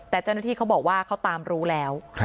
แต่เจ้าหน้าที่เขาบอกว่าเขาตามรู้แล้ว